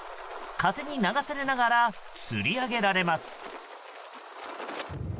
風に流されながらつり上げられます。